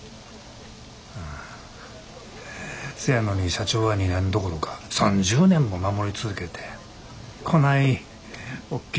せやのに社長は２年どころか３０年も守り続けてこないおっきい